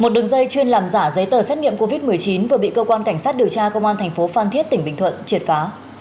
một đường dây chuyên làm giả giấy tờ xét nghiệm covid một mươi chín vừa bị cơ quan cảnh sát điều tra công an thành phố phan thiết tỉnh bình thuận triệt phá